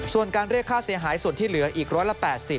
ส่วนการเรียกค่าเสียหายส่วนที่เหลืออีกร้อยละ๘๐